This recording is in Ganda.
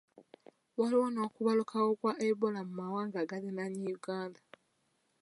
Waliwo n'okubalukawo kwa Ebola mu mawanga agaliraanye Uganda.